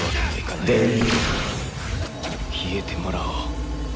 消えてもらおう。